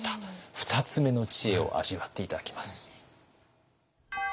２つ目の知恵を味わって頂きます。